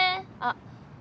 あっ。